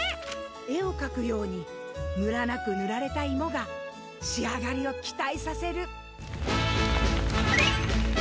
えをかくようにむらなくぬられたいもがしあがりをきたいさせる。